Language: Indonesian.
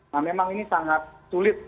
nah memang ini sangat sulit